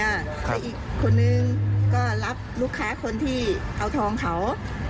แต่อีกคนนึงก็รับลูกค้าคนที่เอาทองเขา